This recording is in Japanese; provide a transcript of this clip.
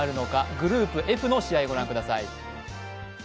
グループＦの試合をご覧ください。